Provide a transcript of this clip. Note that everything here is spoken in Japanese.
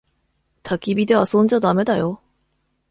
たき火で遊んじゃだめだよ。